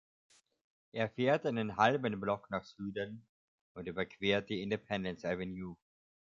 Er fährt einen halben Block nach Süden und überquert die Independence Avenue.